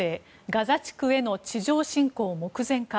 ガザ地区への地上侵攻目前か。